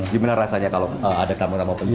gimana rasanya kalau ada tamu tamu